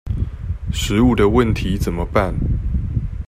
食物的問題怎麼辦？